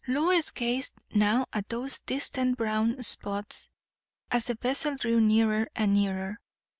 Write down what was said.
Lois gazed now at those distant brown spots, as the vessel drew nearer and nearer.